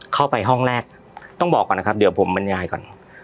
เข้าไปห้องแรกต้องบอกก่อนนะครับเดี๋ยวผมบรรยายก่อน